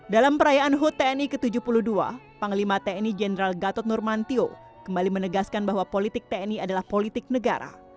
dalam perayaan hut tni ke tujuh puluh dua panglima tni jenderal gatot nurmantio kembali menegaskan bahwa politik tni adalah politik negara